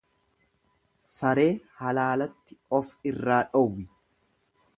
Saree halaalatti ofi irraa dhowwi.